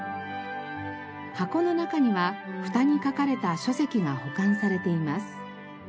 箱の中にはフタに書かれた書籍が保管されています。